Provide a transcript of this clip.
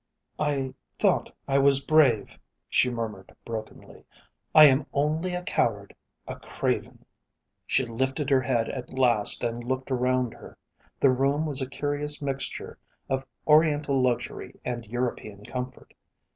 "I thought I was brave," she murmured brokenly. "I am only a coward, a craven." She lifted her head at last and looked around her. The room was a curious mixture of Oriental luxury and European comfort.